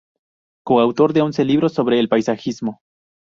Coautor de once libros sobre el paisajismo.